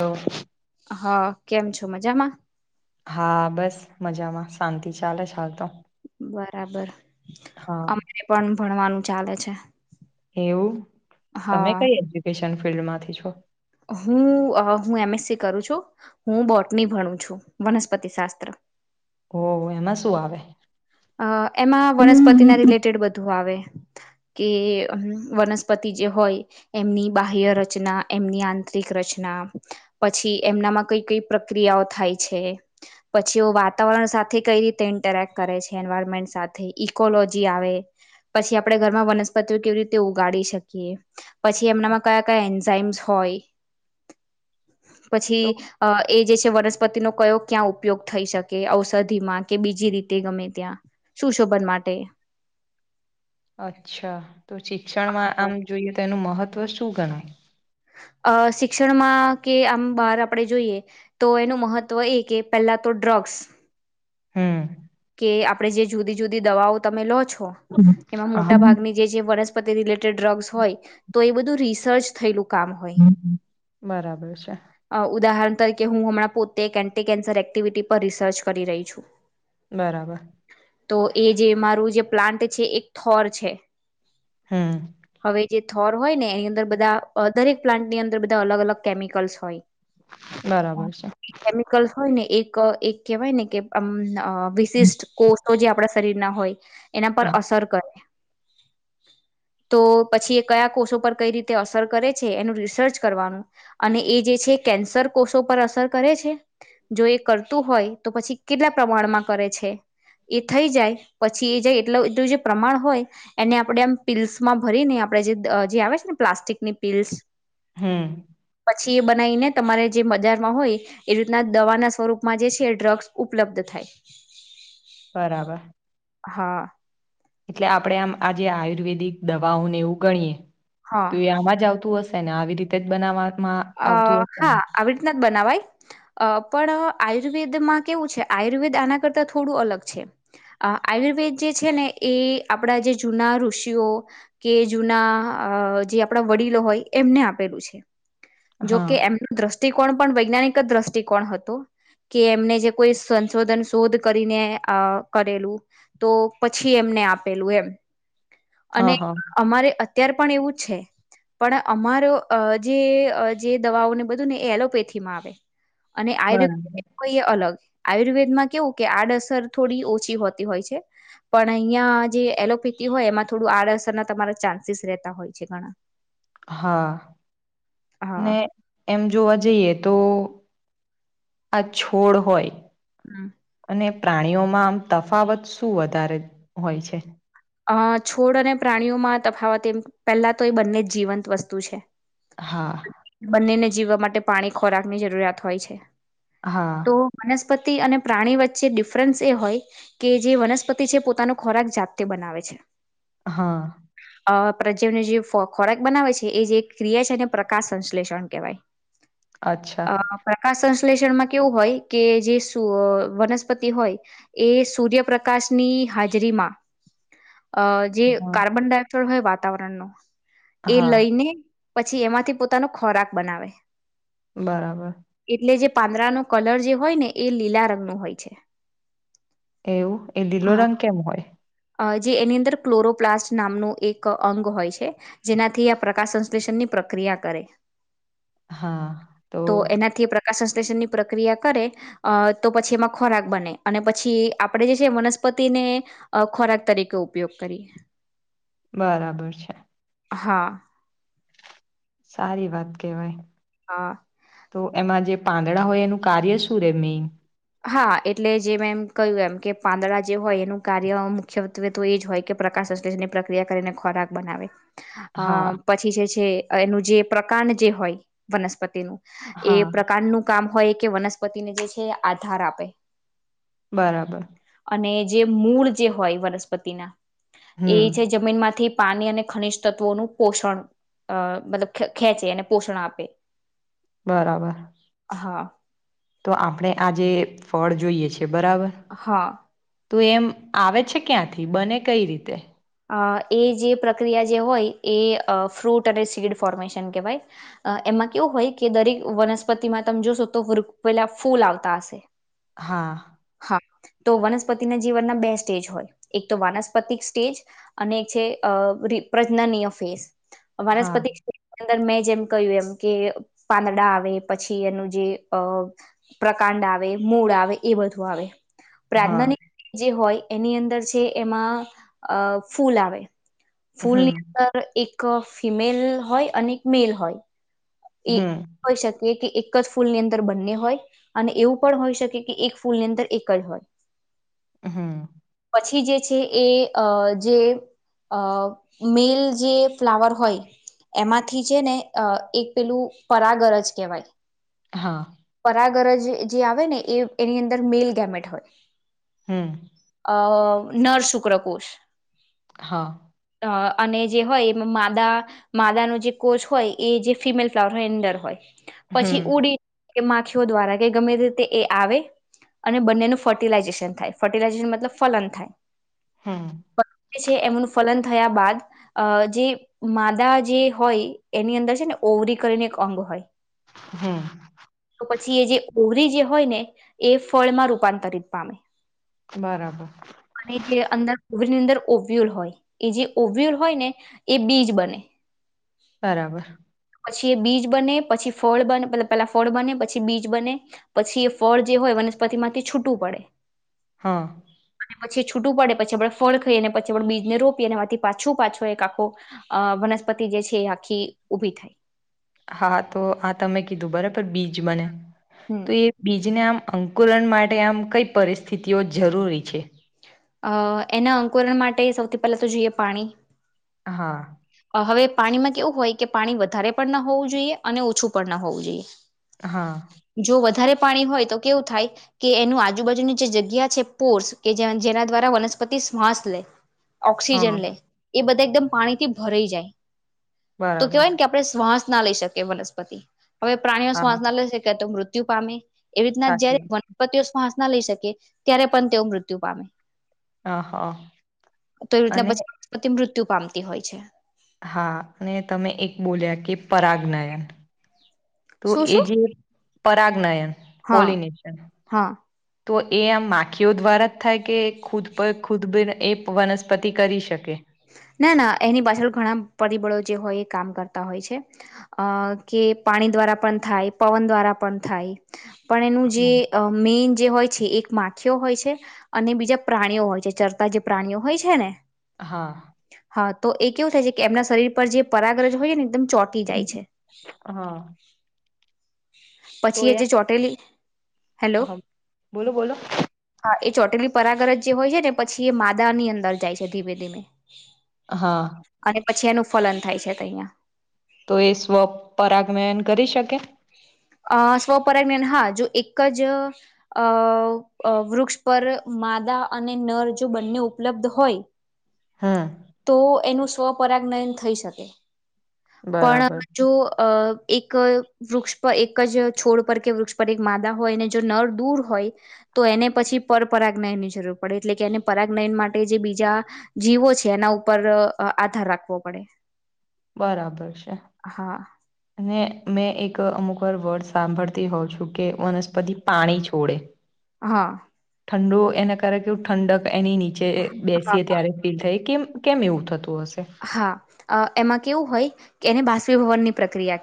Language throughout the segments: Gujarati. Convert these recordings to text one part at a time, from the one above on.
તો હા કેમ છો મજામાં હા બસ મજામાં શાંતિ ચાલે છે હાલ તો બરાબર હા અમને પણ ભણવાનું ચાલે છે એવું તમે હા કઈ એજ્યુકેશન ફિલ્ડ માંથી છો હું હું એમએસસી કરું છું હું બોટની ભણું છું વનસ્પતિ શાસ્ત્ર ઓ એમાં શું આવે અ એમાં વનસ્પતિના હમ. રિલેટેડ બધું આવે કે વનસ્પતિ જે હોય એમની બાહ્ય રચના એમની આંતરિક રચના પછી એમનામાં કઈ કઈ પ્રક્રિયાઓ થાય છે પછી વાતાવરણ સાથે સાથે કઈ રીતે ઇન્ટરેક્ટ કરે છે એન્વાયરમેન્ટ સાથે ઇકોલોજી આવે પછી આપણેે ઘરમાં વનસ્પતિઓ કેવી રીતે ઉગાડી શકીએ પછી એમનામાં કયા કયા એન્ઝઇમ્સ હોય તો પછી એ વ વપતિનો કયો ક્યાં ઉપયોગ થઈ શકે ઔષધિમાં કે બીજી રીતે ગમે ત્યાં સુશોભન માટે અચ્છા તો શિક્ષણમાં આમ જોઈએ તો એનું મહત્વ શું ગણાય અ શિક્ષણમાં કે આમ બહાર આપણે જોઈએ તો એનું મહત્વ એ કે પહેલા તો ડ્રગ્સ હમ કે આપડે જે જુદી જુદી દવાઓ તમે લો છો એમાં હા મોટા ભાગની જે વનસ્પ રિટેડ ડ્રગ્સ હોય તો એ બધું રિસર્ચ થયલું હો બરાબર છે ઉદરણ તરીકે હું હમણાં પોતે એક એન્ટી કેન્સર એક્ટિવિટી પર રિસર્ચ કરી રહી છું ઘરાબ તો એ જે મારું જે પ્લાન્ટ છે એક થોર છે હા હવે જે થોર હોય ને એની અંદર બધા દરેક પ્લાન્ટ ની અંદર બધા અલગ અલગ કેમિકલ્સ હોય બરાબર છે કેમિકલ્ હોય ને એક કેવાયને કે આમ વિ કોષો જે આપણા શરીર ના હોય એના પર અસર કરે તો પછી એ કયા કોષો પર કઈ રીતે અસર કરે છે એનું રિસર્ચ કરવાનું અને એ જ છે કેન્સર કોષો પર અસર કરે છે જો એ કરતું હોય તો પછી કેટલા પ્રમાણમાં કરે છે. એ થઈ જાય પછી એ જે એટલું એટલું જે પ્રમાણ હોય એને આપણે આમ પીસમાં ભરીને આપણે જે જે આવે છે ને પ્લાસ્ટિકની પીિલ્સ હમ છી એ બનાવીને તમારે જે બજારમાં હોય એ રીતના દવાના સ્વરૂપમાં જે છે ડ્રગ્સ ઉપલબ્ધ થાય [inaudible] બરાબર હા એટલે આપણેે આમ આજે આયુર્વેદિક દવાઓને એવું ગણીએ હા તો એ આમાં જ આવતું હશે ને આવી રીતે જ બનાવા અ હા આવીીના બનાવાય પણ આયુર્વેદમાં કેવું છે. આયુર્વેદ આના કરતા થોડું અલગ છે. આયુર્વેદ જે છે, ને એ આપડા જે જૂના ઋષિઓ કે જૂના જે આપણા વડીલો હોય એમને આપેલું છે, હા જોકે એમનું દ દ્રષ્ટિકોણ પણ વૈજ્ઞાનિક જ દ્રષ્ટિકોણ હતું. કે એમને જે કોઈ સંશોધન શોધ કરીને કરેલું તો પછી એમને ને આપેલું એમ હા અને હા અમારે અત્યાર પણ એવું છે. પણ અમારો જે જે દવાઓ ને બધું ને એ એલોપેથી માં આવે અને બરાબર આયુર્વેદ હોઈ અલગ. આયુર્વેદ માં કેવું કે આડઅસર થોડી ઓછી હોતી હોય છે. પણ અહિયાં જે એલોપેથી હોય એમાં થોડું આડઅસર ના તમારા ચાન્સીસ રહેતા હોય છે, ઘણા હા, હા એમ જોવા જઈએ તો આ છોડ હોય હમ. અને પ્રાણીઓમાં આમ તફાવત શું વધારે હોય છે? અ છોડ અને પ્રાણીઓમાં તફાવત એ પહેલા તો એ બંને જ જીવંત વસ્તુ છે. હા બંનેને જીવવા માટે પાણી ખોરાક ની જરૂરત હોય છે. તો હા મને વનસ્પતિ અને પ્રાણી વચ્ચે ડિફરન્સ એ હોય કે જે વનસ્પતિ છે, પોતાનો ખોરાક જાતે જાતે બનાવે છે. હા. અ પ્રજવને જે ખોરાક બનાવે છે, એ જે ક્રિયા છે ને પ્રકાશ સંશ્લેષણ કહેવાય. અચ્છા અ પ્રકાશન વિશ્લેષણમાં કેવું હોય કે જે વનસ્પતિ હોય એ સૂર્યપ્રકાશની ની હાજરીમાં અ જે હા કાર્બન ડાયોક્સાાઈડ હોય વાતાવરણનો એ હા, લઈને પછી એમાંથી પોતાનો ખોરાક બનાવે બરાબર. પાંદરાનો કલર જે હોય ને એ લીલા રંગ ન હોય છે. એવું, એ લીલો હા રંગ કેમ હોય? જે એની અંદર ક્લોરોપ્લાસ્ટ નામનું એક અંગ હોય છે. જેનાથી આ પ્રકાશ સંશ્લેષણ ની પ્રક્રિયા કરે. હા, તો પ્રકાશ સંશ્લેષણ ની પ્રક્રિયા કરે તો પછી એમાં ખોરાક બને અને પછી આપડણે જે છે. વનસ્પતિ પતિને ખોરાક તરીકે ઉપયોગ કરી. બરાબર છે. હા. સારી વાત કેવાય. હા. તો એમાં જે પાંદડા હોય એનું કાર્ય શું રે મેન? હા, એટલે જે મેમ કહ્યું એમ કે પાંદડા જે હોય એનું કાર્ય મુખ્યત્વે તો એ જ હોય કે પ્રકાશ સંશ્લેષણની પ્રક્રિયા કરીને ખોરાક બનાવે. અ હા પછી જે છે એનું જે પ્રકાંડ જે હોય વનસ્પતિનું એ હા પ્રકારનું કામ હોય કે વનસ્પતિને જે છે આધાર આપે બરાબર. અને જે મૂળ જે હોય વનસ્પતિના એ હમ છે, જમીન માંથી પાણી અને ખનિજ તત્વોનું પોષણ અ મતલબ ખેંચે અને પોષણ આપે બરાબર. હા. તો આપણે આ જે ફળ જોઈએ છે, બરાબર. હા તું એમ આવે છે, ક્યાંથી બને કઈ રીતે? અ, એ જે પ્રક્રિયા જે હોય, એ ફ્રૂટ અને સીડ ફોર્મેશન કહેવાય. એમાં કેવું હોય કે, દરેક વનસ્પતિમાં તમે જોશો તો, વૃક્ષ પહેલા ફૂલ આવતા હશે. હા. હા તો વનસ્પતિ ના જીવન ના બે સ્ટેજ હોય, એક તો વાનસ્પતિક સ્ટેજ અને એક છે પ્રજનનીય ફેસ, હા, વનસ્પતિ મેં જેમ કહ્યું એમ કે, પાંદડા આવે, પછી એનું જે અ પ્રકાંડ આવે. આવે, મૂળ આવે, એ બધું આવે. હા, પ્રાર્થનાની જે હોય, એની અંદર છે એમાં અ ફૂલ આવે. ફૂલની હમ, અંદર એક ફિમેલ હોય અને એક મેલ હોય. એ હમ, હોઈ શકે કે, એક એક જ ફૂલની અંદર બંને હોય, અને એવું પણ હોઈ શકે કે એક ફૂલની અંદર એક જ હોય. હા. પછી જે છે એ જે અ મેલ જે ફ્લાવર હોય, એમાંથી છે ને એક પેલું પરાગર જ કહેવાય. હા. કરજ જે આવે ને, એ એની અંદર મેલ ગેમેટ હોય. હમ. અ નર શુક્ર કોશ. હા. અને જે હોય, એમાં માદા માદા ન જે કોષ હોય, એ જે ફિમેલ અંદર હોય, પછી હમ, ઉડી માખીઓ દ્વારા કે ગમે રીતે એ આવે. અને બંનેનું ફર્ટિલાઇઝેશન થાય, ફર્ટિલાઇઝેશન મતલબ ફલન થાય. [unintelligible] એમનું ફલન થયા બાદ, અ જે માદા જે હોય, એની અંદર છે ને ઓવરી. કરીને એક અંગ હોય, હમ, તો પછી એ જે. ઓરી જે હોય ને, એ ફળમાં રૂપાંતરિત પામે. બરાબર, અને જે અંદર ઓરની અંદર ઓવ્યુલ હોય, એ જે ઓવ્યુલ હોય ને, એ બીજ બને. બરાબર. પછી એ બીજ બને, પછી ફળ બને. પેલા ફળ બને, પછી બીજ બને, પછી એ ફળ જે હોય. વનસ્પતિ માંથી છૂટવું પડે. હા. અને પછી છૂટું પડે, પછી આપે ફળ ખાઈએ અને પછી આપ બીજને રોપીએ, અને આમાંથી પાછું, પાછો એક આખો અ આપણે. વનસ્પતિ જે છે, એ આખી ઉભી થાય. હા, તો આ તમે કીધું બરાબર. બીજ બને, હમ તો એ બીજને આમ અંકુલન માટે આમ કંઈ પરિસ્થિતિઓ જરૂરી છે. અ એના અંકુરણ માટે સૌથી પહેલા તો જોઈએ પાણી. હા. હવે પાણીમાં કેવું હોય કે, પાણી વધારે પણ ના હોવું જોઈએ અને ઓછું પણ ના હોવું જોઈએ. હા, જો વધારે પાણી હોય તો કેવું થાય કે, એનું આજુબાજુંની જે જગ્યા છે, પોર્સ કે જેના દ્વારા વનસ્પતિ શ્વાસ લે. ઓક્સિજન હા, લે, એ બધા એકદમ પાણીથી ભરાઈ જાય તો બરાબર, કહેવાયને કે, આપણે શ્વાસ ના લઈ શકે. વનસ્પતિ, હવે પ્રાણીઓ હા, શ્વાસ ના લઈ શકે તો મૃત્યુ પામે. એવી રીતના, સાચી જયારે વાત, વનસ્પતિઓ શ્વાસ ના લઈ શકે, ત્યારે પણ તેઓ મૃત્યુ પામે. હા, હા, તો એ રીતના અને પછી મૃત્યુ પામતી હોય છે. હા, અને તમે એક બોલ્યા કે પરાજ્ઞયન. તો શું એ શું જે પરાજ્ઞયન હા પોલિનેશન હા તો એ આમ માખીઓ દ્વારા જ થાય કે, ખુદ પર ખુદ બી એ વનસ્પતિ કરી શકે? ના ના એની પાછળ ઘણા પરિબળો જે હોય કામ કરતા હોય છે અ કે પાણી દ્વારા પણ થાય પવન દ્વારા પણ થાય પણ એનું જે મેન જે હોય છે એક માખીઓ હોય છે અને બીજા પ્રાણીઓ હોય છે ચરતા જે પ્રાણીઓ હોય છે ને હા હા તો એ કેવું થાય છે કે એમના શરીર પર જે પરાગ્રંજ હોય છેને એકદમ ચોટી જાય છે હા પછી એ જે ચોટેલી હેલો અ બોલો બોલો ચોટલી પરાગ્રંજ જે હોય છે ને પછી એ માદાની અંદર જાય છે ધીમે ધીમે હા અને પછી એનું ફલન થાય છે તહીંઆ તો એ સ્વપરાજ્ઞાન કરી શકે [inaudible] અ સ્વપરાજ્ઞાન હા જો એકજ અ વૃક્ષ પર માદા અને નર જો બંને ઉપલબ્ધ હોય હમ તો એનું સ્વપરાજ્ઞયન થઈ શકે પણ બરાબર જો અ એક વૃક્ષ પર એક જ છોડ પર કે વૃક્ષ પર એક માદા હોયને જો નર દૂર હોય તો એને પછી પરપરાજ્ઞયન ની જરૂર પડે એટલે કે એને પરાજ્ઞયન માટે જે બીજા જીવો છે એના ઉપર આધાર રાખવો પડે બરાબર છે હા અને મેં એક અમુક વાર વર્ડ સાંભળતી હોઉં છું કે વનસ્પતિ પાણી છોડે હા ઠંડુ એના કારણે કેવું ઠંડક એની નીચે હા બેસીએ ત્યારે ફીલ થઈ કેમ કેમ એવું થતું હશે હા એમાં કેવું હોય કે એને બાષ્પીભવનની પ્રક્રિયા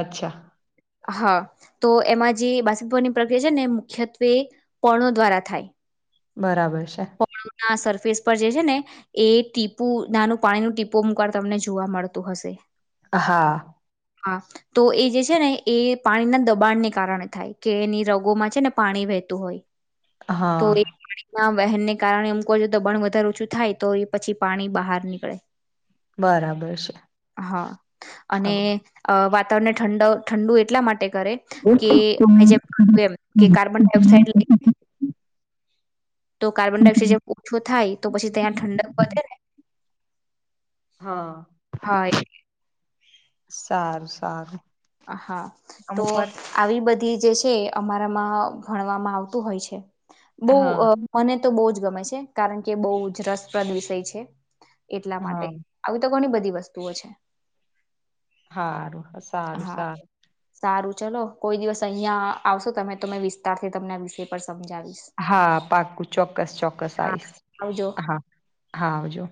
અચ્છા હા તો એમાં જે બાષ્પીભવનની પ્રક્રિયા છે ને મુખ્યત્વે પણો દ્વારા થાય બરાબર છે ના સરફેસ પર જે છે ને એ ટીપુ નાનું પાણીનું ટીપુ અમુક વાર તમને જોવા મળતું હશે હા હા તો એ જે છે ને એ પાણીના દબાણ ને કારણે થાય કે એની રગોમાં છે ને પાણી વહેંતુ હોય હા ના વહેનને કારણે એમક છો દબણ વધારે ઓછું થાય તો એ પછી પાણી બહાર નીકળે બરાબર છે. હા અને અ વાતાવરણને ઠંડ ઠંડુ એટલા માટે ે કે જે એમ કે કાર્બન ડાયોક્સાડ તો કાર્બન ડાયોક્સાઇડ ઓછો થાય તો પછી ત્યાં ઠંડક વધે ને હા હા એ સારું સારું હા તો અમુક વાર આવી બધી જે છે અમારામાં ભણવામાં આવતું હોય છે બહ હા મને બ જ ગમે છે કારણ કે બહ જ રસપ્રદ વિષય છે એટલા માટે હા આવી તો કોની બધી વસ્તુઓ છે સારું સારું હા સારું સારું ચલો કોઈ દિવસ અહિયાં આવશો તમે તોમે વિસ્તાર થી તમને વિષ પ હા પાકું ચોક્કસ ચોક્કસ આ હા આવીશ આવજો હા હા આવજો